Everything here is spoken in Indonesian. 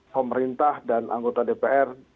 pemerintah dan anggota dpr